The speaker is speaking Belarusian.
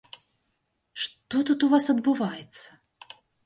Што тут у вас адбываецца?